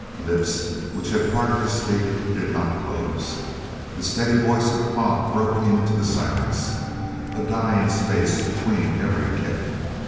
Lips which had parted to speak did not close. The steady voice of the clock broke into the silence a dying space between every tick.